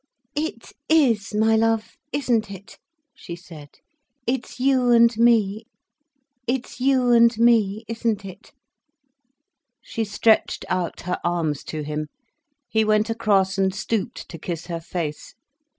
"It is, my love, isn't it," she said. "It's you and me. It's you and me, isn't it?" She stretched out her arms to him. He went across and stooped to kiss her face.